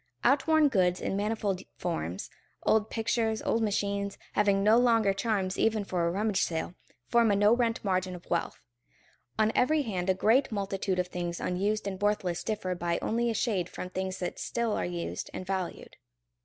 Outworn goods in manifold forms, old pictures, old machines, having no longer charms even for a rummage sale, form a no rent margin of wealth. On every hand a great multitude of things unused and worthless differ by only a shade from things that still are used and valued.